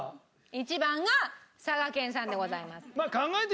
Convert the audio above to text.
１番が佐賀県産でございます。